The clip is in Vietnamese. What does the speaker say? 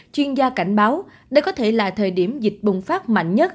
chuyên gia cảnh báo đây có thể là thời điểm dịch bùng phát mạnh nhất